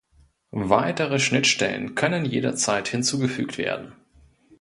Weitere Schnittstellen können jederzeit hinzugefügt werden.